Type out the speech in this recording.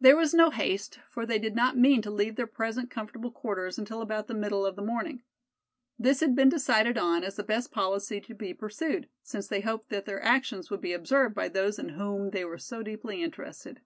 There was no haste, for they did not mean to leave their present comfortable quarters until about the middle of the morning. This had been decided on as the best policy to be pursued; since they hoped that their actions would be observed by those in whom they were so deeply interested.